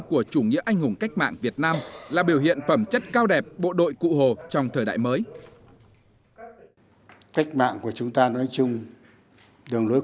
của chủ nghĩa anh hùng cách mạng việt nam là biểu hiện phẩm chất cao đẹp bộ đội cụ hồ trong thời đại mới